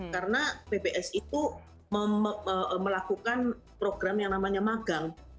karena ppsi itu melakukan program yang namanya magang